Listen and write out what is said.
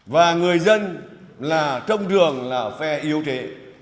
và người dân là trong đường là phe yếu thế